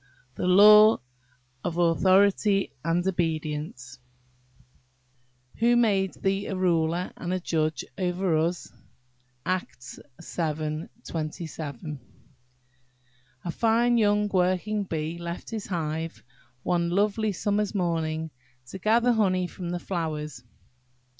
THE LAW OF AUTHORITY AND OBEDIENCE "Who made thee a ruler and a judge over us?"–ACTS vii. 27. A FINE young Working bee left his hive, one lovely summer's morning, to gather honey from the flowers.